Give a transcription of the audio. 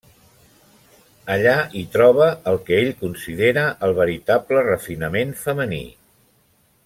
Allà hi troba el que ell considera el veritable refinament femení.